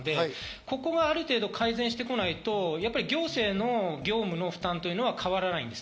ここがある程度改善してこないと、行政の業務の負担というのは変わらないんです。